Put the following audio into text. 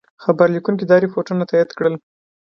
خبرلیکونکي دا رپوټونه تایید کړل.